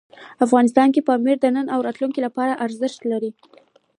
افغانستان کې پامیر د نن او راتلونکي لپاره ارزښت لري.